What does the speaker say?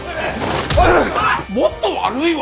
もっと悪いわ！